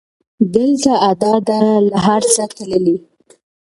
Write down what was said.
دلته ادا ده له هر څه تللې